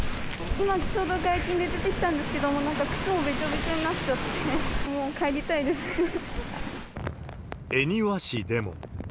今ちょうど外勤で出てきたんですけども、なんか靴もべちょべちょになっちゃって、もう帰りたいで恵庭市でも。